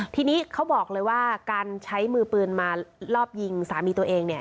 ทีนี้เขาบอกเลยว่าการใช้มือปืนมารอบยิงสามีตัวเองเนี่ย